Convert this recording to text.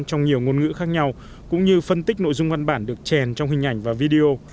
trong nhiều ngôn ngữ khác nhau cũng như phân tích nội dung văn bản được chèn trong hình ảnh và video